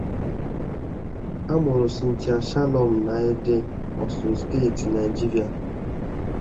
A mụrụ Cynthia Shalom na Ede, Osun Steeti, Naịjirịa.